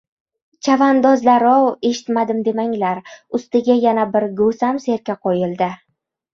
— Chavandozlar-ov, eshitmadim demanglar, ustiga yana bir go‘sam serka qo‘yildi!